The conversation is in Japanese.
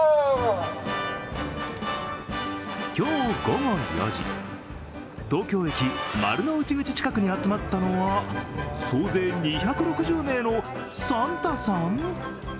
今日午後４時、東京駅丸の内口近くに集まったのは総勢２６０名のサンタさん？